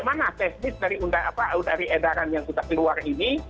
mana teknis dari undang undang edaran yang kita keluar ini